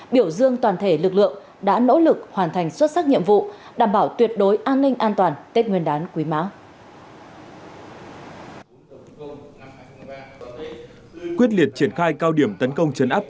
biểu dương toàn thể lực lượng đã nỗ lực hoàn thành xuất sắc nhiệm vụ đảm bảo tuyệt đối an ninh an toàn tết nguyên đán quý mã